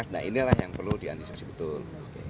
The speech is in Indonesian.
nah inilah yang perlu diantisipasi betul